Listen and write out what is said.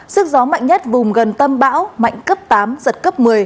sức gió mạnh nhất vùng gần tâm bão mạnh cấp tám giật cấp một mươi